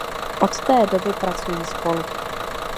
Od té doby pracují spolu.